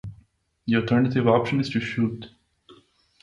The alternative option is to shoot.